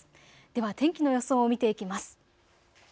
では天気の予想を見ていきます。